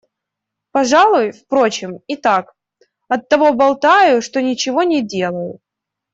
Пожалуй, впрочем, и так: оттого болтаю, что ничего не делаю.